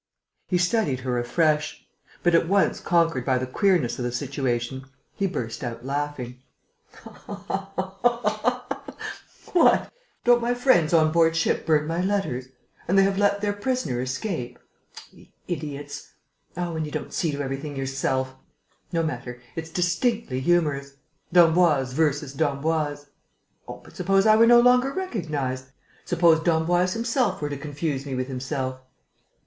He studied her afresh. But, at once conquered by the queerness of the situation, he burst out laughing: "What? Don't my friends on board ship burn my letters? And they have let their prisoner escape? The idiots! Oh, when you don't see to everything yourself!... No matter, its distinctly humorous.... D'Emboise versus d'Emboise.... Oh, but suppose I were no longer recognized? Suppose d'Emboise himself were to confuse me with himself?"